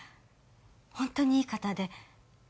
本当にいい方で。